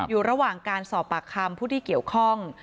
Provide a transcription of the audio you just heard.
อยู่ระหว่างการสอบปากคำผู้ที่เกี่ยวข้อง